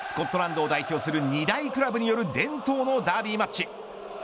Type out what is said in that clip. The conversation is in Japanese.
スコットランドを代表する２大クラブによる伝統のダービーマッチ。